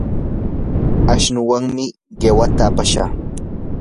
ashnuwanmi qiwata apashaq.